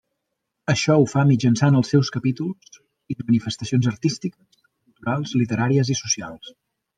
Això ho fa mitjançant els seus capítols i de manifestacions artístiques, culturals, literàries i socials.